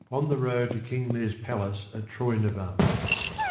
the road to King Leir's palace at Troynovant.